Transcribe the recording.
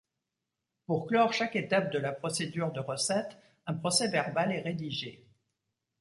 Pour clore chaque étape de la procédure de recette, un procès-verbal est rédigé.